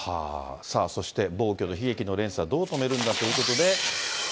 さあそして、暴挙の悲劇の連鎖、どう止めるんだということで。